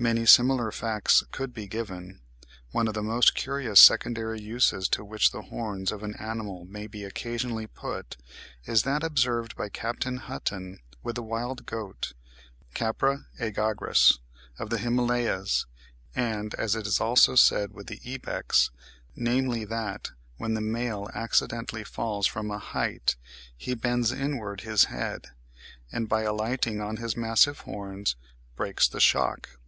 Many similar facts could be given. One of the most curious secondary uses to which the horns of an animal may be occasionally put is that observed by Captain Hutton (21. 'Calcutta Journal of Natural History,' vol. ii, 1843, p. 526.) with the wild goat (Capra aegagrus) of the Himalayas and, as it is also said with the ibex, namely that when the male accidentally falls from a height he bends inwards his head, and by alighting on his massive horns, breaks the shock.